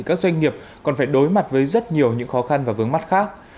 các doanh nghiệp còn phải đối mặt với rất nhiều những khó khăn và vướng mắt khác